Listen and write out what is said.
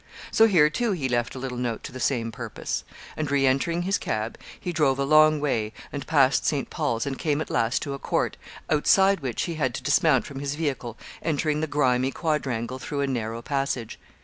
So here, too, he left a little note to the same purpose; and re entering his cab, he drove a long way, and past St. Paul's, and came at last to a court, outside which he had to dismount from his vehicle, entering the grimy quadrangle through a narrow passage.